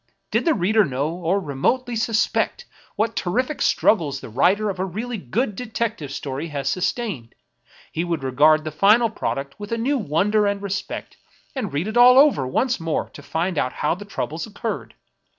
Did the reader know, or remotely suspect, what terrific struggles the writer of a really good detective story had sustained, he would regard the final product with a new wonder and respect, and read it all over once more to find out how the troubles occurred.